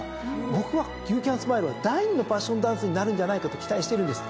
僕はユーキャンスマイルは第２のパッションダンスになるんじゃないかと期待してるんです。